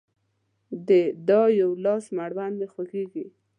د دا يوه لاس مړوند مې خوږيږي